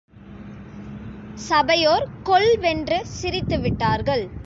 சபையோர் கொல் வென்று சிரித்து விட்டார்கள்.